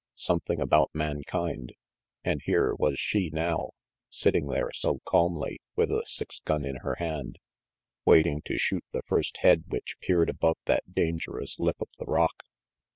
Something about mankind And here was she now, sitting there so calmly, with a six gun in her hand, waiting to shoot the first head which peered above that dan gerous lip of the rock.